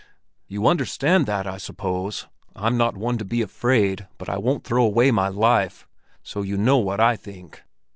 "You understand that, I suppose! I'm not one to be afraid, but I won't throw away my life. So you know what I think."